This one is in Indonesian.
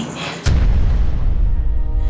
ketika aku mau mencari kesalahan